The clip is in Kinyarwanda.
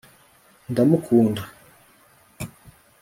ndamukunda